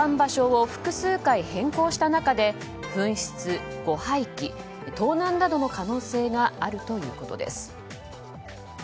保管場所を複数回変更した中で紛失・誤廃棄・盗難などの可能性があるということです。